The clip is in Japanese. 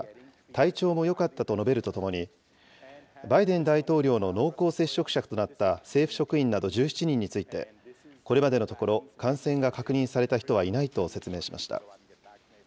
体調もよかったと述べるとともに、バイデン大統領の濃厚接触者となった政府職員など１７人について、これまでのところ、感染が確認された人はいないと説明しました。